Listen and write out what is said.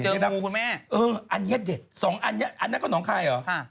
เอออันนี้เด็ดอันนั้นก็หนองคายเหรอ